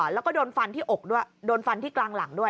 แล้วก็โดนฟันที่อกด้วยโดนฟันที่กลางหลังด้วย